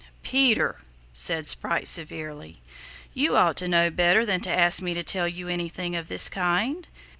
"Peter," said Sprite severely, "you ought to know better than to ask me to tell you anything of this kind.